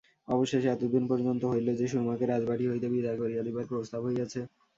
অবশেষে এতদূর পর্যন্ত হইল যে সুরমাকে রাজবাটি হইতে বিদায় করিয়া দিবার প্রস্তাব হইয়াছে।